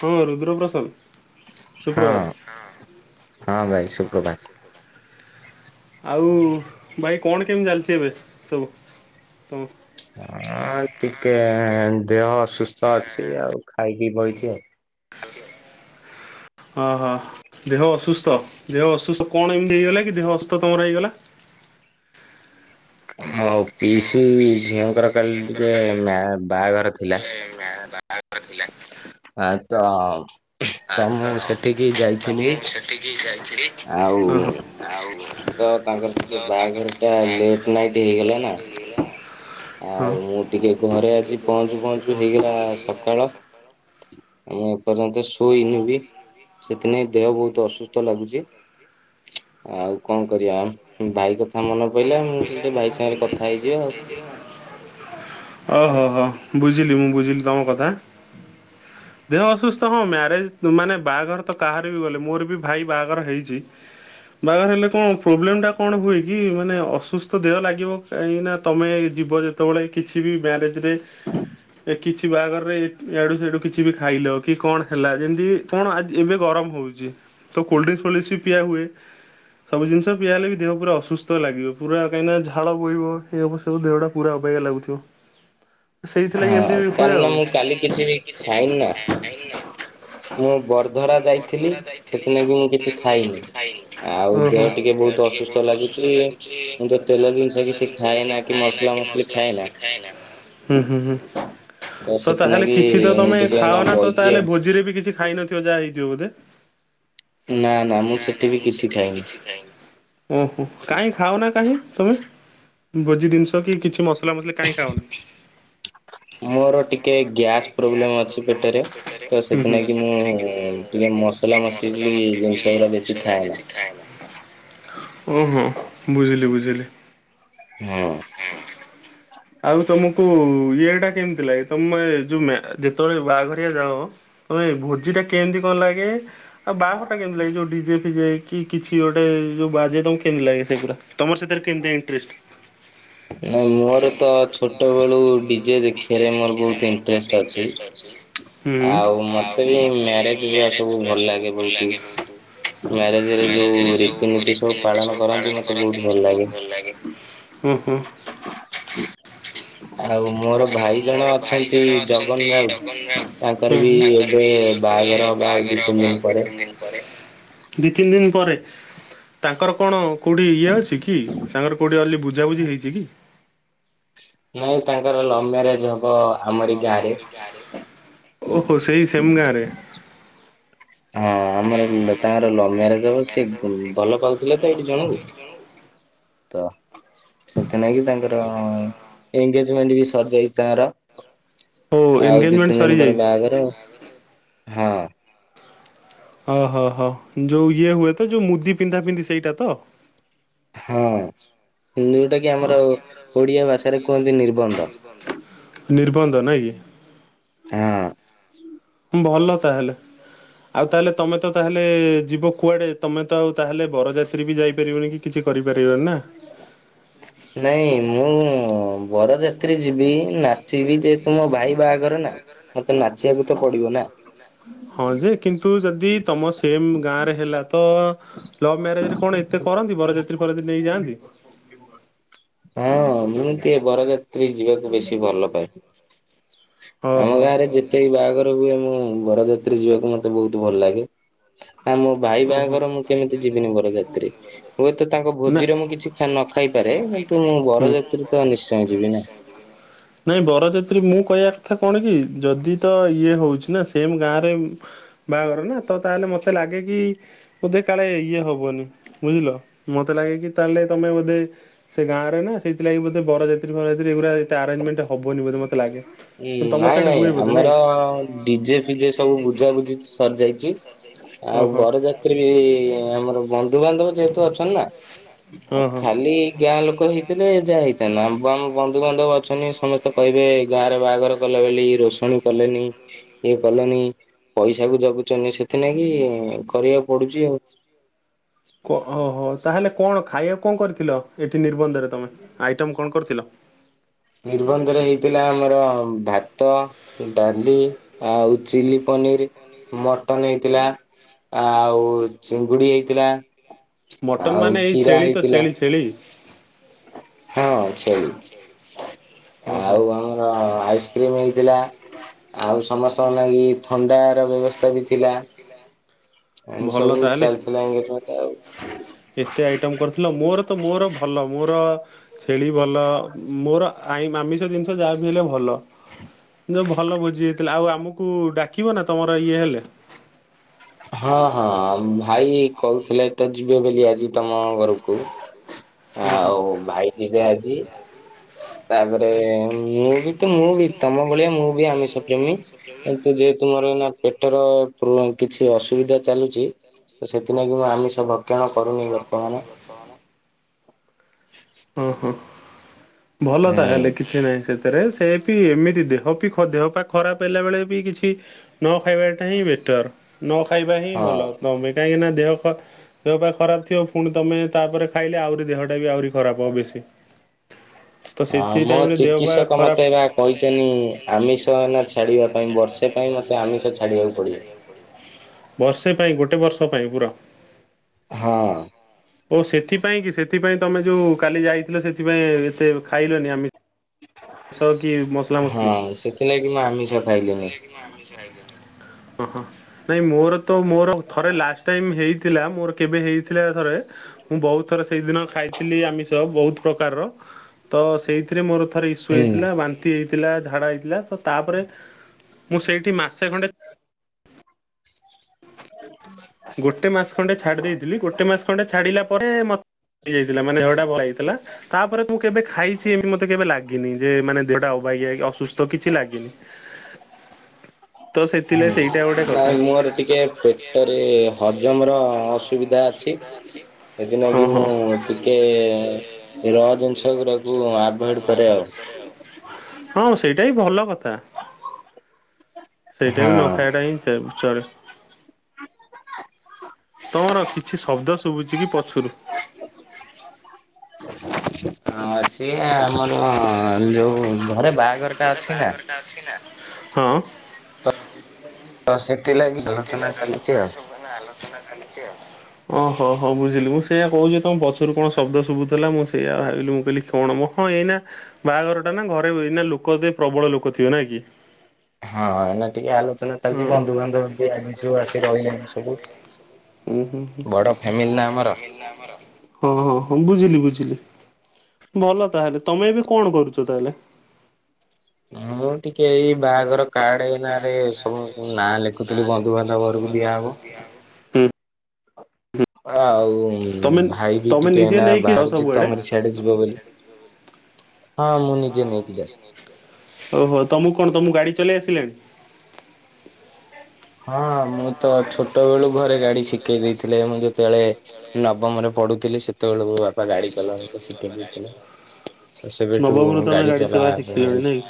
ହଁ ରୁଦ୍ର ପ୍ର୍ରସାଦ ହଁ ହଁ ଭାଇ ସୁୁପ୍ରଭାତ। ଆଉ ଭାଇ କଣ କେମିତି ଚାଲିଛି ଏବେ ସବୁ। ହଁ ଟିକେ ଦେହ ସୁୁସ୍ଥ ଅଛି ଆଉ ଖାଇକି ବହିଛି ଆଉ। ଅ ହୋ ଦେହ ଅସୁସ୍ଥ। ଅସୁସ୍ଥ କଣମତି ହେଇଗ ଅଥମ ହେଇଲା। ଆଁ ପିଇସି ଝିଅଙ୍କର କାଲି ଟିକେ ବାହାଘର ଥିଲା। କରଥିଲା। ଆଁ ତ ତ ମୁଁ ସେଠିକି ଯାଇଛି ମୁଁ ସେଠିକି ଯାଇଥିଲି ଆଉ ତାଙ୍କର ଟ ନ ନିଲ ନା ଆଉ ମୁଁ ଟିକେ ଘରେ ଆଜି ପହଁଞ୍ଚୁ ପହଞ୍ଚୁ ହେଇଗଲା ସକାଳ ଆମ ଏପର୍ଯ୍ୟନ୍ତ ଶୋଇନୁ ବି ସେଥିନାଇ ଦେହ ବହୁତ ଅସୁସ୍ଥ ଲାଗୁଛି ଆଉ କଣ କରିବା ଭାଇ କଥା ମନେ ପଡିଲା ମୁ ଟିକେ ଭାଇ ସାଙ୍ଗରେ କଥା ହେଇଯିବ ଆଉ ଓହୋ ହୋ ବୁଝିଲି ମୁଁ ବୁଝିଲି ତମ କଥା ହଁ ଦେହ ଅସୁସ୍ଥ ହଁ ମ୍ୟାରେଜ ମାନେ ବାହାଘର ତ କାହାର ବି ଗଲେ ମୋର ବି ଭାଇ ବାହାଘର ହେଇଛି ବାଘ ହେଲେ କଣ ପ୍ରୋବ୍ଲେମ ଟା କଣ ହୁଏ କିି କି ମାନେ ଅସୁସ୍ଥ ଦେହ ଲାଗିବ କାହିଁକିନା ତୁମେ ଯିବ ଯେତେବେଳେ କିଛି ବି ମ୍ୟାରେଜରେ ଏ କିଛି ବାହାଘରରେ ଇଆଡୁ ସେଆଠୁ କିଛି ବି ଖାଇଲ କି କଣ ହେଲା ଯେମିତି କଣ ଆଜି ଏବେ ଗରମ ହଉଛି ତ କୋଲଡ୍ରି ବେଶି ପିଆହୁଏ ସବୁ ଜିନିଷ ପିଆହେଲେ ବି ଦେହ ପୁରା ଅସୁସ୍ଥ ତ ଲାଗିବ ପୁରା କାହିଁକିନା ଝାଳ ବୋହିବ ଏବ ସବୁ ଦେହଟା ପୁରା ଅେକ୍ଷା ଲାଗୁଥିବ ହାଁ କାରନ ମୁଁ କାଲି କିଛି ବି ଖାଇନି ନା। ମୁଁ ବରଧରା ଯାଇଥିଲି ସେଥିନାଗି ମୁଁ କିଛି ଖାଇନି ଆଉ ଦେହ ଟିକେ ବହୁତ ଅ ଦେହ ବହୁତ ଅସୁ ସ୍ତ ଲାଗୁଚି ମୁଁ ତ ତେଲ ଜିନିଷ କିଛି ଖାଏନା କି ମସଲା ମସଲି ଖାଏନା। ହୁଁ ହୁଁ ହୁଁ ତ ତାହେଲେ କିଛି ତମେ ଖାଅ ନା ତ ତାହେଲେ ଭୋଜିରେ ବି କିଛି ଖାଇନଥିବ ଯାହା ହେଇ ଥିବ ବୋଧେ ନାଁ ନାଁ ମୁଁ ସେଠି ବି କିଛି ଖାଇନି। ଓହୋ କାଇଁ ଖାଅନା କାହିଁ ତମେ? ଭୋଜି ଜିନିଷ କି କିଛି ମସଲା ମସଲି କାଇଁ ଖାଉନା? ମୋର ଟିକେ ଗ୍ୟାସ୍ ପ୍ରୋବ୍ଲେମ ଅଛି ପେଟରେ ତ ସେଥିଲାଗି ମୁଁ ଟି ମସଲା ମସଲି ଜିନିଷ ଗୁରା ବେଶୀ ଖାଏନା। ଓହୋ ବୁଝିଲି ବୁଝିଲି ହଁ ତୋ ଇଏଟା କେମିତି ଥିଲା ତମେ ଯୋଉ ଯେତେବେଳେ ବାହାଘରିଆ ଯାଅ ତମେ ଭୋଜି ଟା କେମିତି କଣ ଲାଗେ ଆଉ ବାହାଘରଟା କେମିତି ଲାଗେ ଯୋଉ ଡିଜେ ଫିଜେ କି କିଛି ଗୋଟେ ଯୋଉ ବାଜେ ତମକୁ କେମିତି ଲାଗେ ସେଗୁରା। ତମର ସେଥିରେ କେମିତିଆ ଇଣ୍ଟରେଷ୍ଟ। ନାଇଁ ଇ ମୋର ତ ଛୋଟ ବେଳୁ ଡିଜେ ଦେଖିବାରେ ମୋର ବହୁତ ଇଣ୍ଟରେଷ୍ଟ ଅଛି। ଆଉ ମତେ ବି ମ୍ୟାରେଜ ଗୁରା ସବୁ ଭଲ ଲାଗେ ବହୁତ। ମ୍ୟାରେଜ ରେ ଯୋଉ ରୀତିନୀତି ସବୁ ପାଳନ କ ପାଳନ କରନ୍ତି ମୋତେ ବହୁତ ଭଲ ଲାଗେ ହୁଁ ହୁଁ ଆଉ ମୋର ଭାଇ ଜଣେ ଅଛନ୍ତି ଜଗନ ରାଉ ତାଙ୍କର ବି ଏବେ ବାହାଘର ହବ ଆଉ ଦି ତିନି ଦିନ ପରେ। ଦି ତିନି ଦିନ ପରେ ତାଙ୍କର କଣ କୋଉଠି ଇଏ ଅଛି କି ତାଙ୍କର କୋଉଠି [unintelligible] ବୁଝାବୁଝି ହେଇଚି କି? ନାଇଁ ତାଙ୍କର ଲଭ ମ୍ୟାରେଜ ହବ ଆମରି ଗାଁରେ। ଓହୋ ସେଇ ସେମ ଗାଁ ରେ ହଁ ଆମର ଲ ତାଙ୍କର ଲଭ ମ୍ୟାରେଜ ସେ ଭଲ ପାଉ ଥିଲେ ତ ଏଇଠି ଜଣକୁ ତ ସେଥିନାଗି ତାଙ୍କର ଏଗେଜମେଣ୍ଟ ବି ସରିଯାଇଚି ତାଙ୍କର। ଆଉ ଦି ତିନି ଦିନ ପରେ ବାଆଘର ହଁ ଓହୋ ହୋ ଯୋଉ ଇଏ ହୁଏ ତ ଯୋଉ ମୁଦି ପିନ୍ଧା ପିନ୍ଧି ସେଇଟା ତ ହଁ ଯୋଉଟା କି ଆମର ଓଡିଆ ଭାଷାରେ କୁହନ୍ତି ନିର୍ବନ୍ଧ। ହଁ ଭଲ ତାହେଲେ ଆଉ ତାହେଲେ ତମେ ତ ତାହେଲେ ଯିବ କୁଆଡ଼େ ତମେ ତ ଆଉ ତାହେଲେ ବରଯାତ୍ରୀ ବି ଯାଇପାରିବନି କି କିଛି କରି ପାରିବନି ନା ନାଇଁ ମୁଁ ବରଯାତ୍ରୀ ଯିବି ନା [inaudible] ହଁ ଯେ କି ତୁ ଯଦି ତମ ସେମ ଗାଁ ରେ ହେଲା ତ ଲଭ୍ ମ୍ୟାରେଜ ରେ କଣ ଏତେ କରନ୍ତି ବରଯାତ୍ରୀ ଫରାଦି ନେଇଯାଆନ୍ତି ହଁ ମୁଁ ଟେ ବରଯାତ୍ରୀ ଯିବାକୁ ବେଶୀ ଭଲ ପାଏ। ଆମ ଗାଁ ରେ ଯେତେବି ବାହାଘର ହୁଏ ମୁଁ ବରଯାତ୍ରୀ ଯିବାକୁ ମତେ ବହୁତ ଭଲ ଲାଗେ। ନା ମୋ ଭାଇ ବାହାଘର ମୁଁ କେମିତି ଯିବିନି ବରଯାତ୍ରୀ ହୁଏତ ତାଙ୍କ ଭୋଜିରେ ମୁଁ କିଛି ନ ଖାଇ ପା ରେ କି ନାଇଁ ବରଯାତ୍ରୀ ମୁଁ କହିବା କଥା କଣ କି ଯଦି ତ ଇଏ ହଉଛି ନା ସେମ୍ ଗାଁ ରେ ବାହାଘର ନା ତ ତାହେଲେ ମତେ ଲାଗେ କି ବୋଧେ କାଳେ ଇଏ ହବନି ବୁଝିଲ ମତେ ଲାଗେ କି ତାହେଲେ ତମେ ବୋଧେ ସେ ଗାଁରେ ନା ସେଇଥିଲାଗି ବୋ ବରଯାତ୍ରୀ ଫର ଯାତ୍ରୀ ଏଗୁରା ଏତ ଆରେ୍ମେଣ୍ଟ ହେବନ ବୋ ମୋତେ ଲାଗେ। ହଁ ନାଇଁ ନାଇଁ ଆମର ଡିଜେ ଫିଜେ ସବୁ ବୁଝା ବୁଝି ସରି ଯାଇଚି ଆଉ ବରଯାତ୍ରୀ ବି ଆମର ବନ୍ଦ୍ ବନ୍ଧୁବାନ୍ଧବ ଯେହେତୁ ଅଛନ୍ତି ନା ଆଉ ଖାଲି ଗାଁ ଲୋକ ହେଇ ଏ ଯାହା ହେଇଥାନ୍ ଆ ଆମ ବନ୍ଧୁବାନ୍ଧବ ଅଛନ୍ତି ସମସ୍ତେ କହିବେ। ଗାଁରେ ବାହାଘର କଲା ବୋଲି ରୋଷଣୀ କଲେନି ଇଏ କଲେନି ପଇସା କ ଜଗୁଛନ୍ତି ସେଥିିନ କି କରିବାକୁ ପଡୁଛି ଆଉ। କ ଓହୋ ତାହଲେ କଣ ଖାଇବା କଣ କରିଥିଲ ଏଠି ନିର୍ବନ୍ଧରେ ତମେ ଆଇଟମ୍ କଣ କରିଥିଲ। ନିର୍ବନ୍ଧରେ ହେଇଥିଲା ଆମର ଭାତ ଡାଲି ଆଉ ଚିଲି ପନିର ମଟନ ହେଇଥିଲା। ଆଉ ଚିଙ୍ଗୁଡି ହେଇଥିଲା। ଆଉ କ୍ଷୀରା ହେଇଥିଲା। ହଁ ସେଇ ଆଉ ଆମର ଆଇସ୍ କ୍ରିମ୍ ହେଇଥିଲା ଆଉ ସମସ୍ତଙ୍କ ଲାଗି ଥଣ୍ଡା ର ବ୍ୟବସ୍ଥା ବି ଥିଲା। ଏ ସବୁ ଚାଲିଥିଲା ଏଇଙ୍ଗଜମେଣ୍ଟ ଆଉ। ଏତେ ଆଇଟମ କରିଥିଲ ମୋର ତ ମୋର ଭଲ ମୋର ଛେଳି ଭଲ ମୋର ଆଇଁ ଆମିଷ ଜିନିଷ ଯାହାବି ହେଲେ ଭଲ। ଯଉ ଭଲ ବୁଜିି ଯାଇଥିଲା ଆଉ ଆମକୁ ଡାକିବ ନା ତମର ଇଏ ହେଲେ। ହଁ ହଁ ଭାଇ କହୁଥିଲେ ତ ଯିବେ ବୋଲି ଆଜି ତମ ଘରକୁ। ଆଉ ଭାଇ ଯିବେ ଆଜି ତା ପରେ ମୁଁ ବି ତ ମୁଁ ବି ତମ ଭଳିଆ ମୁଁ ବି ଆମିଷ ପ୍ରେମୀ କିୁ। ତମର ପେଟର କିଛି ଅସୁବିଧା ଚାଲୁଛି ସେଥିଥିଲା କି ମୁ ଆମିଷ। ଭକ୍ଷଣ କରୁନି ବର୍ତ୍ତମାନେ। ଓ ହୋ ଭଲ ତାହେଲେ କିଛି ନହିଁ ସେ ରେ ସେ ବି ଏମିତି ଦେହ ବି ଦେହ ପା ଖରାପ ହେଲା ବେଳେ ବି କିଛି ନ ଖାଇବାଟା ହିଁ ବେଟର ନ ଖାଇବା ହିଁ ଭଲ ନେ କାହିଁକିନା ଦେହ। ଦେହ ପାଇଁ ଖରାପ ଥିବ ପୁଣି ତମେ ତାପରେ ଖାଇଲେ ଆହୁରି ଦେହଟା ବି ଆହୁରି ଖରାପ ହବ ବେଶୀ। ତ ସେଥି ଟାଇମରେ ଦେହ ପା ଖରାପେ ତ ସେଥିପାଇଁ ମୋତେ କହି ଆମଷ ଏନା ଛାଡ଼ିବା ପାଇଁ। ବର୍ଷେ ପାଇଁ ଗୋଟେ ବର୍ଷ ପାଇଁ ପୁରା ଓ ସେଥିପାଇଁ କି ସେଥିପାଇଁ ଯୋଉ କାଲି ଯାଇଥିଲ, ସେଥିପାଇଁ ଏତେ ଖାଇଲନି ଆମି ସ ହଁ ସେଥିଲାଗି ମୁଁ ଆମିଷ ଖାଇଲିନି। ଓହୋ ନାଇଁ ମୋର ତ ମୋର ଥରେ ଲାଷ୍ଟ ଟାଇମ ହେଇଥିଲା ମୋର କେବେ ହେଇଥିଲା ଥରେ ମୁଁ ବହୁତ ଥର ସେଇଦିନ ଖାଇଥିଲି ଆମିଷ ବହୁତ ପ୍ରକାରର ତ ସେଇଥିରେ ମୋର ଥରେ ହୋଇଥିଲା ବାନ୍ତି ହେଇଥିଲା ଝାଡ଼ା ହେଇଥିଲା ତ ତାପରେ ମୁଁ ସେଇଠି ମାସେ ଖଣ୍ଡେ ଗୋଟେ ମାସ ଖଣ୍ଡେ ଛାଡି ଦେଇଥିଲି ଗୋଟେ ମାସ ଖଣ୍ଡେ ଛାଡିଲା ପରେ ମତେ ହେଇଯାଇଥିଲା ମାନେ [unintelligible] ଭଲ ହେଇଥିଲା ତାପରେ ତୁ କେବେ ଖାଇଛି ଏମତି ମତେ କେବେ ଲାଗିନି। ଯେ ମାନେ ଦେହଟା ଅବାକିଆ କି ଅସୁସ୍ଥ କିଛି ଲାଗେନି। ହୁଁ ନାଇଁ ମୋର ଟିକେ ପେଟରେ ହଜମର ଅସୁବିଧା ଅଛି ସେଥିନାଗି ମୁଁ ଟିକେ [unintelligible] ହଁ ସେଇଟା ବି ଭଲ କଥା ସେଇଟା ବି ନ ଖାଇବାଟା ହିଁ ସେ ସେ ତମର କିଛି ଶବ୍ଦ ଶୁଭୁଛି କି ପଛରୁ? ହଁ ସିଏ ଆମର ଯୋଉ ଘରେ ବାହାଘର ହଁ। ତ ସେ ଓହୋ ହ ବୁଝିଲି ମୁଁ ସେଇଆ କଉ ଚି ତମ ବସ୍ ଭିତରୁ କଣ ଶବ୍ଦ ଶୁଭୁଥିଲା। ମୁଁ ସେଇଆ ଭାବିଲି ମୁଁ କହିଲି କଣ ମ ହଁ ଏଇନା ବାହାଘର ଟା ନା ଘରେ ଏଇନା ଲୋକ ହେବେ ପ୍ରବଳ ଲୋକ ଥିବେ ନା କି? ହଁ ଏଇନେ ଟିକେ ଆଲୋ ଆଲୋଚନା ଚାଲିଛି ବନ୍ଧୁବାନ୍ଧବ ବି ଆଜି ସବୁ ଆସି ରହିଲେଣି ସବୁ ବଡ ଫ୍ୟାମିଲି ନା ଆମର। ବୁଝିଲି ବୁଝିଲି ଭଲ ତାହେଲେ ତମେ ଏବେ କଣ କରୁଛ ତାହେଲେ? ମୁଁ ଟିକେ ଏଇ ବାହାଘର କାର୍ଡ ଏଇନା ରେ ସବୁ ନାଁ ଲେଖୁଥିଲି ବନ୍ଧୁବାନ୍ଧବ ଘରକୁ ଦିଆ ହବ। ହୁଁ। ଆଉ। ଭାଇ ବି ଟିକେ ଏଇନା ବାହାରୁଛି ତମର ସିଆଡେ ଯିବ ବୋଲି ଓହୋ ତମ୍ କଣ ତମକୁ ଗାଡ଼ି ଚଲେଇ ଆସିଲାନି? ହଁ ମୁଁ ତ ଛୋଟ ବେଳୁ ଘରେ ଗାଡି ଶିଖେଇ ଦେଇଥିଲେ ମୁଁ ଯେତେବେଳେ ନବମରେ ପ ପଢୁଥିଲି ସେତେବେଳେ ମୋ ବାପା ଗାଡି ଚଲାନ୍ତି ତ ଶିଖେଇ ଦେଇଥିଲେ। ନବମରୁ ତମେ ଗାଡି ଚଲା ଶିଖିଲଣି ନାଇଁ।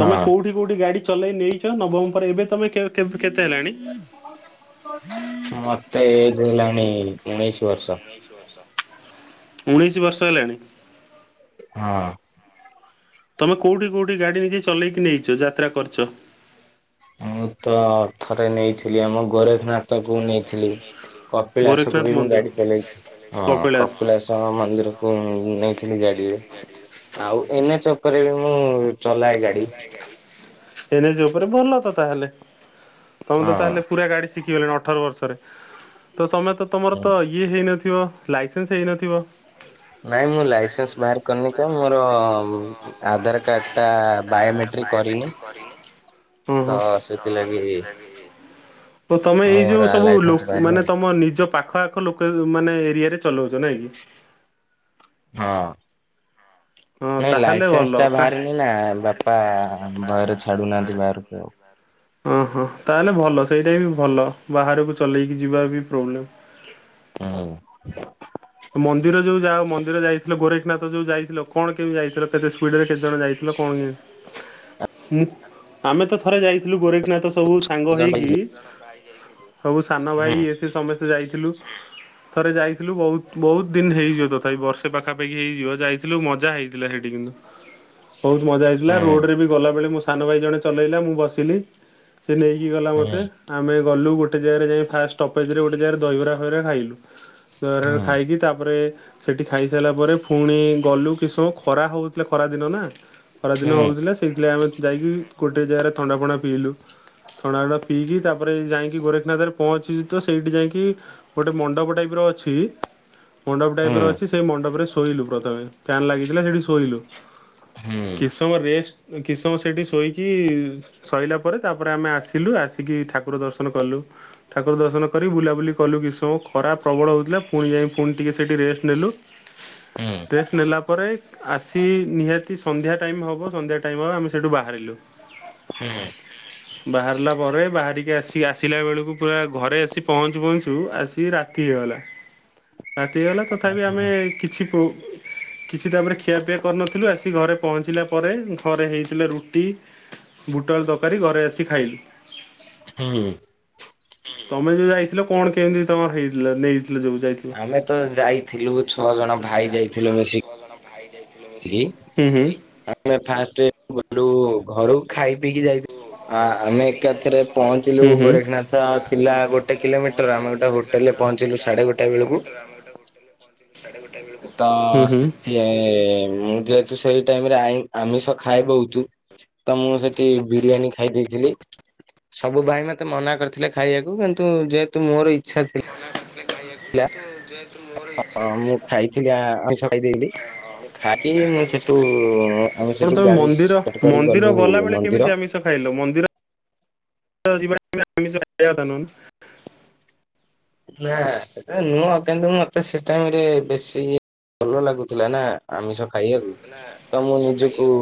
ତମେ କୋଉଠି କୋଉଠି ଗାଡି ଚଲେଇ ନେଇଛ, ନବମ ପରେ ଏବେ ତମେ କେ କେ ମତେ ଏଜ ହେଲାଣି ଉଣେଇଶି ବର୍ଷ। ଉଣେଇଶ ବର୍ଷ ହେଲାଣି। ତମେ କୋଉଠି କୋଉଠି ଗାଡି ନିଜେ ଚଲେଇକି ନେଇଛ, ଯାତ୍ରା କରିଛ। ମୁଁ ତ ଥରେ ନେଇଥିଲି ଆମ ଗୋରେଖନାଥକୁ ନେଇଥିଲି। କପିଳାସକୁ ବି ମୁଁ ଗାଡି ଚଲେଇଛି। କପିଳାସ ମନ୍ଦିରକୁ ନେଇ ଆଉ ଏଇନା ଛକରେ ବି ମୁଁ ଚଲାଏ ଗାଡି। ଏନ୍ହେଚ୍ ଉପରେ ଭଲ ତ ତାହେଲେ ତମେ ତ, ତାହେଲେ ପୁରା ଗାଡି ଶିଖିଗଲଣି ଅଠର ବର୍ଷରେ। ତ ତମେ ତ ତମର ତ ଇଏ ହେଇନଥିବ ଲାଇସେନ୍ସ ହେଇନଥିବ? ନାଇଁ ମୁଁ ଲାଇସେନ୍ସ ବାହାର କରିନି କି ମୋର ଆଧାର କାର୍ଡଟା ବାୟୋମେଟ୍ରିକ କରିନି। ତ ସେଥିଲାଗି ତ ତମେ ଏଇ ଯୋଉ ସବୁ ଲ ମାନେ ତମ ନିଜ ପାଖ ଆ ଲୋକ, ମାନେ ଏରିଆରେ ଚଲାଉଛ ନାଇଁ କି? ହଁ ନାଇଁ ଲାଇସେନ୍ସ ଟା ବାହାରିନି ନା ବାପା ଭୟରେ ଛାଡୁନାହାନ୍ତି ବାହାରକୁ ଆଉ ଓ ହଁ ତାହେଲେ ଭଲ ସେଇଟା ବି ଭଲ ବାହାରକୁ ଚଲେଇକି ଯିବା ବି ପ୍ରୋବ୍ଲେମ ହୁଁ ମନ୍ଦିର ଯୋଉ ଯାଅ ମ ମନ୍ଦିର ଯାଇଥିଲ ଗୋରେଖନାଥ ଯୋଉ ଯାଇଥିଲ, କଣ କେମିତି ଯାଇଥିଲ କେତେ ସ୍ପିଡରେ କେତେ ଜଣ ଯାଇଥିଲ କଣ? ମୁଁ ଆମେ ତ ଥରେ ଯାଇଥିଲୁ, ଗୋରେଖ ନା ତ ସବୁ ସାଙ୍ଗ ହେଇକି, ସବୁ ସାନ ଭାଇ ଇଏ ସିଏ ସମସ୍ତେ ଯାଇଥିଲୁ, ଥରେ ଯାଇଥିଲୁ ବହୁତ ବହୁତ ଦିନ ହେଇଯିବ ତଥାପି ବର୍ଷେ ପାଖାପାଖି ହେଇଯିବ ଯାଇଥିଲୁ, ମଜା ହେଇଥିଲା ସେଇଠି କିନ୍ତୁ ବହୁତ ମଜା ହେଇଥିଲା ରୋଡ଼ରେ ବି ଗଲାବେଳେ ମୋ ସାନ ଭାଇ ଜଣେ ଚଲେଇଲା ମୁଁ ବସିଲି ସେ ନେଇକି ଗଲା ମତେ, ଆମେ ଗଲୁ, ଗୋଟେ ଜାଗାରେ ଯାଇ ଫାଷ୍ଟ ଷ୍ଟପେଜ୍ରରେ ଗୋଟେ ଜାଗାରେ ଦହିବରା ଫଇବରା ଖାଇଲୁ ଖାଇକି ତାପରେ ସେଇଠି ଖାଇସାରିଲା ପରେ ପୁଣି ଗଲୁ କିଛି ସମୟ ଖରା ହେଉଥିଲା, ଖରା ଦିନ ନା ଖରାଦିନ ହେଉଥିଲା ସେଇଥିଲାଗି ଆମେ ଯାଇକି ଗୋଟେ ଜାଗାରେ ଥଣ୍ଡା ଫଣ୍ଡା ପିଇଲୁ। ଥଣ୍ଡାଫଣ୍ଡା ପିଇକି ତାପରେ ଯାଇକି ଗୋରେଖନାଥ ରେ ପହଞ୍ଚିଚୁ ତ ସେଇଠି ଯାଇକି ଗୋଟେ ମଣ୍ଡପ ଟାଇପ ଅଛି ମଣ୍ଡପ ଟାଇପର ଅଛି, ସେଇ ମଣ୍ଡପରେ ଶୋଇଲୁ ପ୍ରଥମେ, ଫ୍ୟାନ୍ ଲାଗିଥିଲା ସେଇଠି ଶୋଇଲୁ କିଛି ସମୟ ରେଷ୍ଟ, କିଛି ସମୟ ସେଠି ଶୋଇକି, ଶୋ ଇଲା ପରେ ତାପରେ ଆମେ ଆସିଲୁ ଆସିକି ଠାକୁର ଦର୍ଶନ କଲୁ, ଠାକୁର ଦର୍ଶନ କରି ବୁଲାବୁଲି କଲୁ କିଛି ସମୟ, ଖରା ପ୍ରବଳ ହଉଥିଲା ପୁଣି ଯାଇ ପୁଣି ଟିକିଏ ସେଇଠି ରେଷ୍ଟ ନେଲୁ। ରେଷ୍ଟ ନେଲା ପରେ ଆସି ନିହାତି ସନ୍ଧ୍ୟା ଟାଇମ୍ ହେବ, ସନ୍ଧ୍ୟା ଟାଇମ୍ ହେବ ଆମେ ସେଇଠୁ ବାହାର ହାଲୋ ହୁଁ ବାହାରିଲା ପରେ ବାହାରିକି ଆସି ଆସିଲା ବେଳକୁ ପୁରା ଘରେ ଆସି ପହଞ୍ଚୁ ପହଞ୍ଚୁ ଆସିିକି ରାତି ହେଇଗଲା। ହ [inaudible] ରାତି ହେଇଗଲା ତଥାପି ଆମେ କିଛି କିଛି ତାପରେ ଖିଆପିଆ କରିନଥିଲୁ ଆସି ଘରେ ପହଞ୍ଚିଲା ପରେ, ଘରେ ହେଇଥିଲା ରୁଟି ବୁଟଆଳୁ ତରକାରୀ, ଘରେ ଆସି ଖାଇଲୁ। ହୁଁ ତମେ ଯୋଉ ଯାଇଥିଲ କଣ କେମିତି ତମର ହେଇଥିଲା, ନେଇଥିଲ ଯୋଉ ଯାଇଥିଲ ଆମେ ତ ଯାଇଥିଲୁ ଛଅ ଜଣ ଭାଇ ଯାଇଥିଲୁ ମିଶିକି ଆମେ ଫାଷ୍ଟ ଗଲୁ, ଘରୁ ଖାଇ ପିଇକି ଯାଇ ଆମେ ଏକାଥରେ ପହଞ୍ଚିଲୁ ଗୋରେଖନାଥ ଥିଲା ଗୋଟେ କିଲୋମିଟର, ଆମେ ଗୋଟେ ହୋଟେଲ ଥିଲା ଗୋଟେ କିଲୋମଟର ଆମେ ଗୋଟେ ହୋଟେଲ ରେ ପହଞ୍ଚିଲୁ ସାଢେ ଗୋଟେ ତ ସେଠ ମୁଁ ଯେହେତୁ ସେଇ ଆମିଷ ଖାଏ ବହତ ମୁଁ ସେଠି ବିରିୟାନୀ ଖାଇ ଦେଇ ସବୁ ଭାଇ ମତେ ମନା କରିଥିଲେ ଖାଇବାକୁ କିନ୍ତୁ ଯେହେତୁ ମୋର ଇଛା ଥିଲା ମୁଁ ଖାଇଥିଲି ଆମଷ ଖଦଲି [unintelligible] କଣ, ତମେ ମନ୍ଦିର -ମନ୍ଦିର ଗଲାବେେଳେ କେମିତି ଆମିଷ ଖାଇଲ, ମନ୍ଦିର [inaudible] [unintelligible] ନା ସେଟା ନୁହଁ କିନ୍ତୁ ମତେ ସେ ଟାଇମରେ ବେଶୀ ଭଲ ଲାଗୁଥିଲା ନା ଆମିଷ ଖାଇବାକୁ ତ ମୁଁ ନିଜକୁ